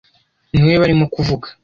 niwe barimo kuvuga